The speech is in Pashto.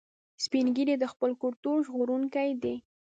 سپین ږیری د خپل کلتور ژغورونکي دي